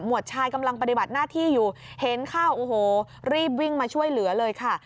วดชายกำลังปฏิบัติหน้าที่อยู่เห็นเข้าโอ้โหรีบวิ่งมาช่วยเหลือเลยค่ะ